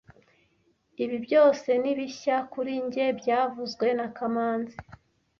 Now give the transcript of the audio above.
Ibi byose ni bishya kuri njye byavuzwe na kamanzi